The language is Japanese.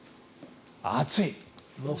暑い。